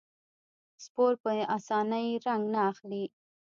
سپور په اسانۍ رنګ نه اخلي.